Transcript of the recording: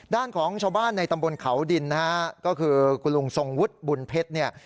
ด้านของชาวบ้านในตำบลเขาดินนะฮะก็คือคุณลุงทรงวุฒิบุญเพชรเนี่ย